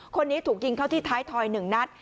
คนนี้ถูกยิงเข้าที่ท้ายทอย๑นัด